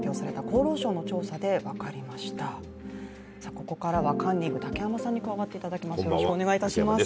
ここからはカンニング竹山さんに加わっていただきましょう。